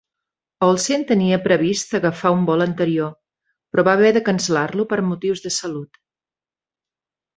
Olsen tenia previst agafar un vol anterior, però va haver de cancel·lar-lo per motius de salut.